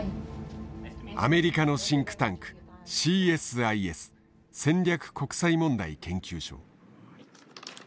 アメリカのシンクタンクＣＳＩＳ戦略国際問題研究所。